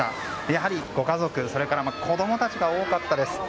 やはりご家族、そして子供たちが多かったです。